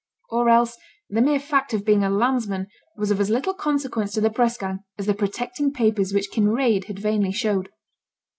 Or else the mere fact of being a landsman was of as little consequence to the press gang, as the protecting papers which Kinraid had vainly showed.